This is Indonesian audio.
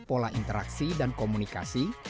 pola interaksi dan komunikasi